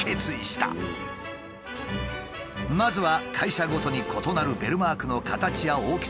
まずは会社ごとに異なるベルマークの形や大きさを調べることから開始。